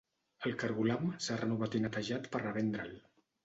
El cargolam s'ha renovat i netejat per revendre'l.